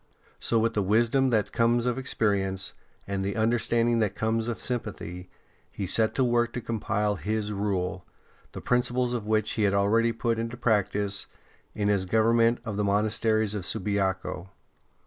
So with the wisdom that comes of experience and the understanding that comes of sympathy, he set to work to compile his Rule, the principles of which he had already put into practice in his govern ment of the monasteries of Subiaco.